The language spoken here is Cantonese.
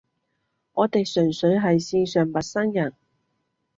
我哋純粹係線上陌生人